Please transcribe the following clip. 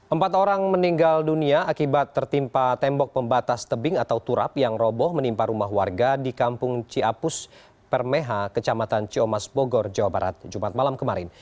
empat orang meninggal dunia akibat tertimpa tembok pembatas tebing atau turap yang roboh menimpa rumah warga di kampung ciapus permeha kecamatan ciomas bogor jawa barat jumat malam kemarin